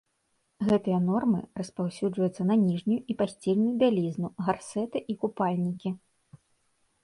Гэтыя нормы распаўсюджваюцца на ніжнюю і пасцельную бялізну, гарсэты і купальнікі.